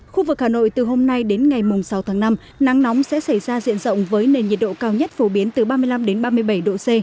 khu vực hà nội từ hôm nay đến ngày sáu tháng năm nắng nóng sẽ xảy ra diện rộng với nền nhiệt độ cao nhất phổ biến từ ba mươi năm ba mươi bảy độ c